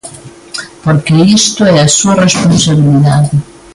Porque isto é a súa responsabilidade.